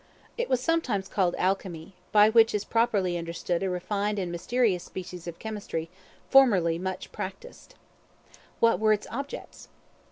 It was sometimes called Alchemy; by which is properly understood a refined and mysterious species of chemistry, formerly much practised. What were its objects?